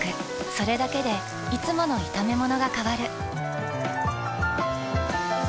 それだけでいつもの炒めものが変わる。